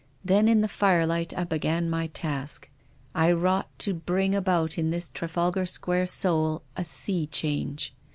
Then in the firelight I began my task. I wrought to bring about in this Trafalgar Square soul a sea change.